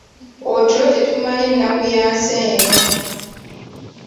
Otulo tetumanyi nnaku ya nsi eno.